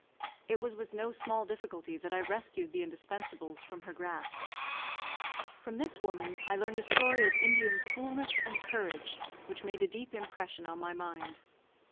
It was with no small difficulty that I rescued the indispensables from her grasp. From this woman I learned a story of Indian coolness and courage which made a deep impression on my mind.